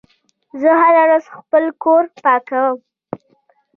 زه هره ورځ خپل کور پاکوم.